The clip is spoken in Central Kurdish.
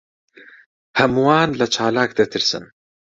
ھەمووان لە چالاک دەترسن.